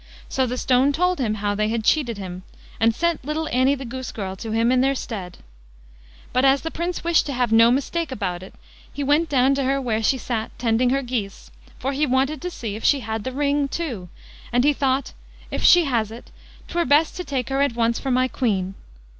So the stone told him how they had cheated him, and sent little Annie the goose girl to him in their stead. But as the Prince wished to have no mistake about it, he went down to her where she sat tending her geese, for he wanted to see if she had the ring too, and he thought, "if she has it, 'twere best to take her at once for my queen".